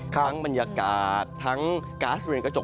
ทั้งบรรยากาศทั้งกาสในกระจก